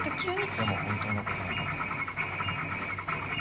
でも本当のことなんだ。